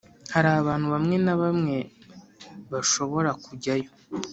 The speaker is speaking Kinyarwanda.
hari abantu bamwe na bamwe bashobora kujyayo